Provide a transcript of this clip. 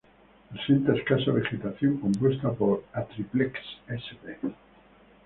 Presenta escasa vegetación compuesta por "Atriplex sp.".